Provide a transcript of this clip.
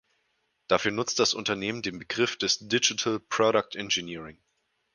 Dafür nutzt das Unternehmen den Begriff des "Digital Product Engineering".